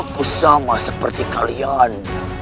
aku sama seperti kalian